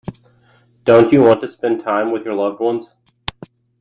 Don't you want to spend time with your loved ones?